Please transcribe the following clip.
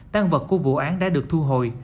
tan vật của vụ án đã được thu hồi